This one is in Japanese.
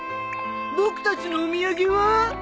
僕たちのお土産は？